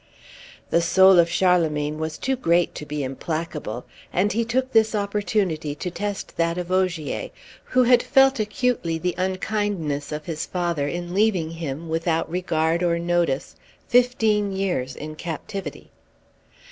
The soul of Charlemagne was too great to be implacable, and he took this opportunity to test that of Ogier, who had felt acutely the unkindness of his father, in leaving him, without regard or notice, fifteen years in captivity.